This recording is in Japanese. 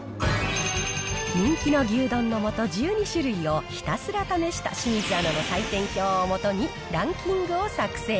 人気の牛丼の素１２種類を、ひたすら試した清水アナの採点表を基に、ランキングを作成。